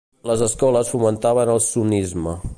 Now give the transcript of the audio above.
Les escoles fomentaven el sunnisme.